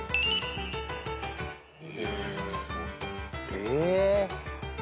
え？